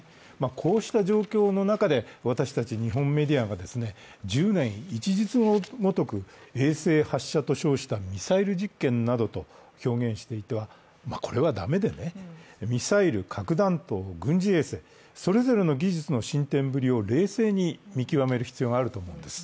こうした状況の中で、私たち日本メディアが十年一日のごとく、衛星発射と称したミサイル実験などと表現していてはだめで、ミサイル、核弾頭、軍事衛星、それぞれの技術の進展ぶりを冷静に見極める必要があると思うんです。